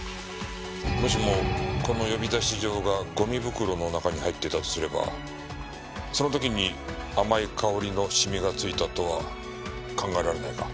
もしもこの呼び出し状がゴミ袋の中に入っていたとすればその時に甘い香りのシミがついたとは考えられないか？